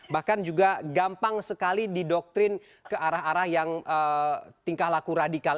bahkan juga gampang sekali didoktrin ke arah arah yang tingkah laku radikal